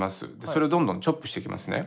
それをどんどんチョップしていきますね。